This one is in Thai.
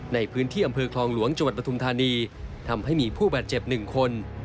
ในพื้นที่อำเภอคลองหลวงจังหวัดปฐุมธานีทำให้มีผู้บาดเจ็บ๑คน